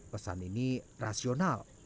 pesan ini rasional